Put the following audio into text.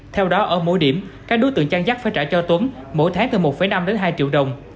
theo đó ở mỗi điểm các đối tượng chăn dắt phải trả cho tuấn mỗi tháng từ một năm đến hai triệu đồng